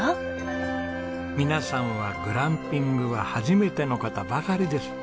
皆さんはグランピングは初めての方ばかりです。